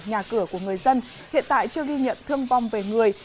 nhà cửa của người dân hiện tại chưa ghi nhận thương vong về người